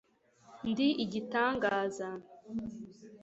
ndi igitangaza